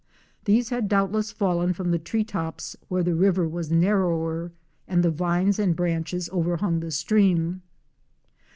These had doubtless fallen from the tree tops where the river was narrower and the vines and branches overhung the stream.